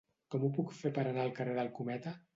Com ho puc fer per anar al carrer del Cometa?